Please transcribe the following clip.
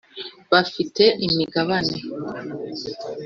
bafite imigabane.